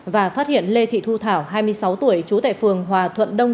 và phát hiện lê thị thu thảo hai mươi sáu tuổi trú tại phường hòa thuận đông